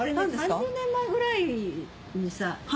３０年前ぐらいにさ。